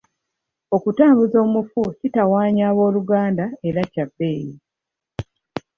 Okutambuza omufu kitawaanya abooluganda era kya bbeeyi.